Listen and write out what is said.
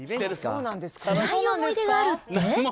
つらい思い出があるって？